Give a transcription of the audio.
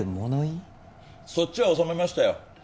そっちは収めましたよ。